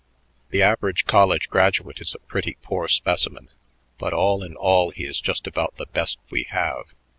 "The average college graduate is a pretty poor specimen, but all in all he is just about the best we have.